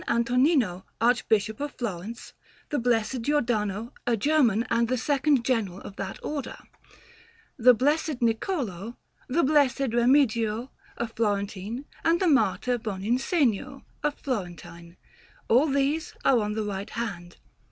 Antonino, Archbishop of Florence; the Blessed Giordano, a German, and the second General of that Order; the Blessed Niccolò; the Blessed Remigio, a Florentine; and the martyr Boninsegno, a Florentine; all these are on the right hand.